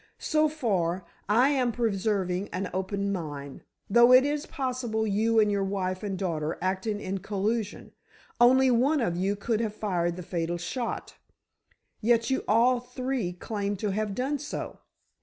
So far, I am preserving an open mind. Though it is possible you and your wife and daughter acted in collusion, only one of you could have fired the fatal shot; yet you all three claim to have done so.